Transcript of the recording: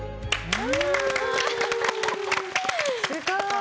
すごい。